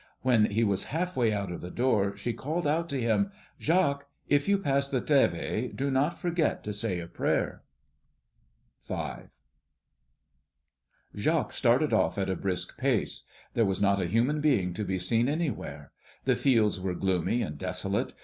When he was halfway out of the door she called out to him, "Jacques, if you pass the Trèves do not forget to say a prayer." V. Jacques started off at a brisk pace. There was not a human being to be seen anywhere. The fields were gloomy and desolate.